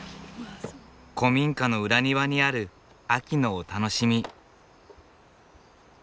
古民家の裏庭にある秋のお楽しみ。